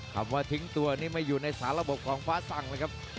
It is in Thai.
คำว่าทิ้งตัวนี้ไม่อยู่ในสารบกของฟ้าสั่งเลยครับ